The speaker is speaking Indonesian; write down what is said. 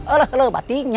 alah alah batinya